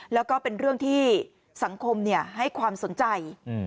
แล้วก็เป็นเรื่องที่สังคมให้ความสนใจ